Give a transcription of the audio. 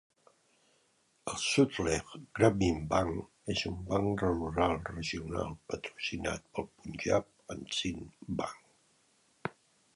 El Sutlej Gramin Bank és un banc rural regional patrocinat pel Punjab and Sind Bank.